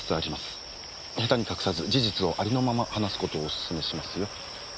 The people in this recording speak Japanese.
ヘタに隠さず事実をありのまま話すことをおすすめしますよ。